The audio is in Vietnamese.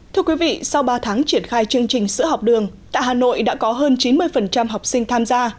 thưa quý vị sau ba tháng triển khai chương trình sữa học đường tại hà nội đã có hơn chín mươi học sinh tham gia